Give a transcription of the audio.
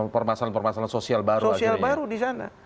permasalahan sosial baru disana